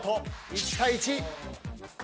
１対１。